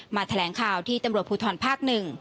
แถลงข่าวที่ตำรวจภูทรภาค๑